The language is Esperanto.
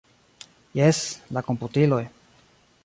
Jes, la komputiloj.